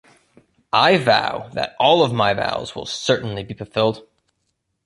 I vow that all of my vows will certainly be fulfilled.